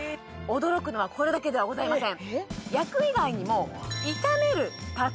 驚くのはこれだけではございません